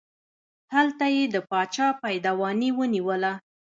هلته یې د باچا پایدواني ونیوله.